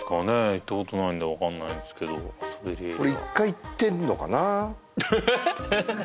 行ったことないんで分かんないんですけど俺１回行ってんのかなえっ！？